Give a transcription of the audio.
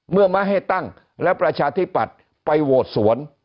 เมื่อไม่ให้ตั้งและประชาธิปัตย์ไปโหวตสวน